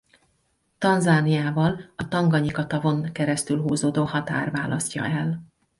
Tanzániával a Tanganyika-tavon keresztül húzódó határ választja el.